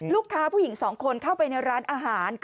ลูกค้าผู้หญิงสองคนเข้าไปในร้านอาหาร